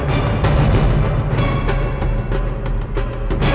aku sudah mencari